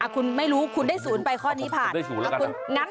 คุณไม่รู้คุณได้ศูนย์ไปข้อนี้ผ่าน